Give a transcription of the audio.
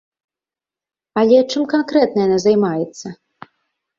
Але чым канкрэтна яна займаецца?